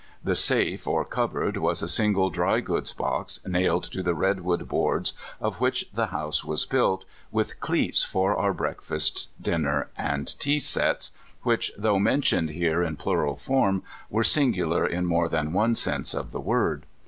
The safe, or cupboard, was a single dry goods box, nailed to the red wood boards, of which the house was built, with cleats for our breakfast, dinner, and tea sets, which, though mentioned here in the plural forin, were singular iu (150) My First California Camp mcetiiifj 151 more than one sense of the word.